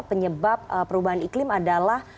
penyebab perubahan iklim adalah